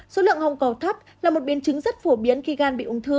số lượng hồng cầu thấp là một biến chứng rất phổ biến khi gan bị ung thư